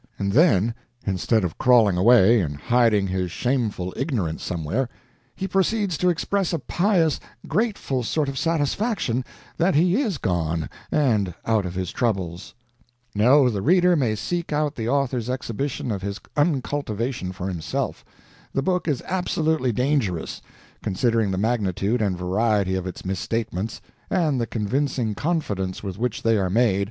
And then, instead of crawling away and hiding his shameful ignorance somewhere, he proceeds to express a pious, grateful sort of satisfaction that he is gone and out of his troubles! No, the reader may seek out the author's exhibition of his uncultivation for himself. The book is absolutely dangerous, considering the magnitude and variety of its misstatements, and the convincing confidence with which they are made.